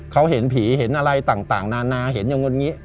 เขาเห็นผีเห็นอะไรต่างนานาเห็นอย่างนี้